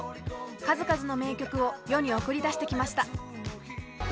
数々の名曲を世に送り出してきました。